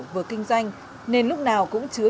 vừa kinh doanh nên lúc nào cũng chứa